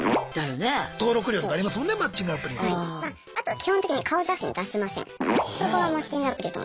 基本的に顔写真出しません。